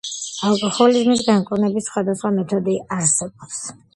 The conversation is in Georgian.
ალკოჰოლიზმის განკურნების სხვადასხვა მეთოდი არსებობს.